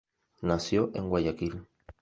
Nació en Guayaquil.